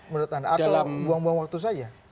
menurut anda atau buang buang waktu saja